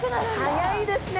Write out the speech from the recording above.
速いですね。